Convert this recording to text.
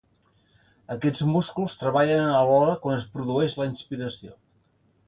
Aquests músculs treballen alhora quan es produeix la inspiració.